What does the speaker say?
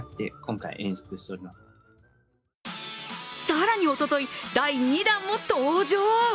更におととい、第２弾も登場。